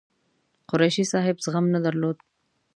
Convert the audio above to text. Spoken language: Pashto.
قریشي صاحب زغم نه درلود.